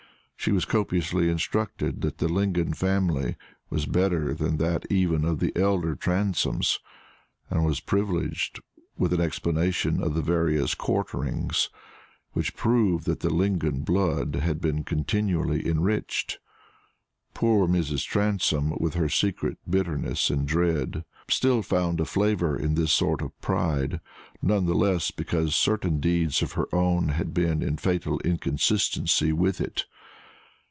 She was copiously instructed that the Lingon family was better than that even of the elder Transomes, and was privileged with an explanation of the various quarterings, which proved that the Lingon blood had been continually enriched. Poor Mrs. Transome, with her secret bitterness and dread, still found a flavor in this sort of pride; none the less because certain deeds of her own life had been in fatal inconsistency with it.